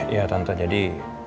iya tante jadi